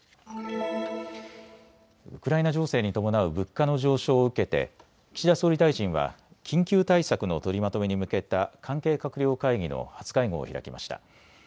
ウクライナ情勢に伴う物価の上昇を受けて岸田総理大臣は緊急対策の取りまとめに向けた関係閣僚会議の初会合を開きました。